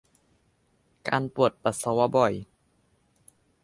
การปวดปัสสาวะบ่อย